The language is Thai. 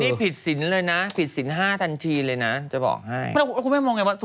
ใช่นี่ผิดศีลเลยนะผิดศีล๕ทันทีเลยนะจะบอกให้